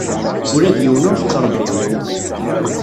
Ula d yiwen ur t-ttṛebbiɣ.